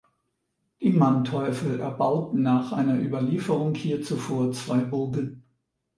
Die Manteuffel erbauten nach einer Überlieferung hier zuvor zwei Burgen.